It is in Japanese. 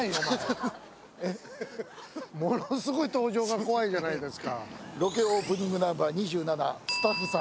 ものすごい登場が怖いじゃないですか。